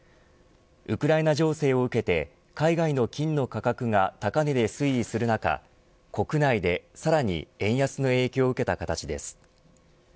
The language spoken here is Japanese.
ウクライナ情勢を受けて海外の金の価格が高値で推移する中国内でさらに円安の影響を受けた形です。